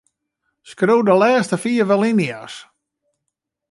Skriuw de lêste fiif alinea's.